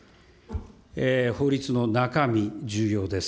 法律の中身、重要です。